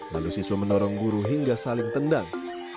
lalu siswa mendorong guru hingga saling tendang